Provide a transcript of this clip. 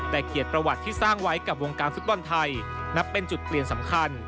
แต่เกียรติประวัติที่สร้างไว้กับวงการฟุตบอลไทยนับเป็นจุดเปลี่ยนสำคัญ